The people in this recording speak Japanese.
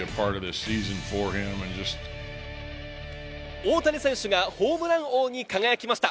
大谷選手がホームラン王に輝きました。